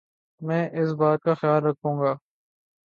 میں اس بات کا خیال رکھوں گا ـ